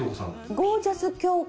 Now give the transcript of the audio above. ゴージャス京子。